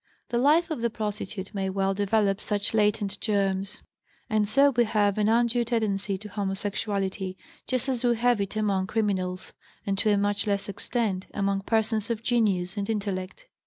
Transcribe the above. The life of the prostitute may well develop such latent germs; and so we have an undue tendency to homosexuality, just as we have it among criminals, and, to a much less extent, among persons of genius and intellect.